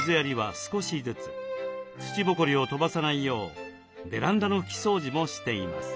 土ぼこりを飛ばさないようベランダの拭き掃除もしています。